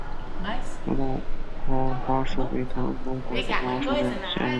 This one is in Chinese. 柔毛泡花树为清风藤科泡花树属下的一个变种。